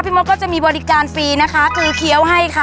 มดก็จะมีบริการฟรีนะคะตีเคี้ยวให้ค่ะ